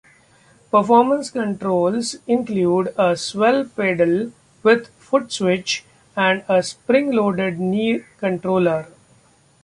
Performance controls include a "swell" pedal with footswitch, and a spring-loaded knee controller.